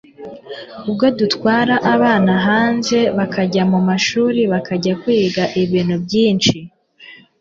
ubwo dutwara abana hanze bakajya mu mashuri bakajya kwiga ibintu byinshi